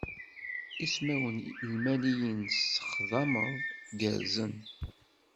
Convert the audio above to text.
Ismawen Imaliyen tesxedmeḍ gerrzen.